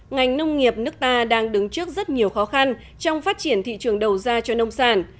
ngành nông nghiệp nước ta đang đứng trước rất nhiều khó khăn trong phát triển thị trường đầu ra cho nông sản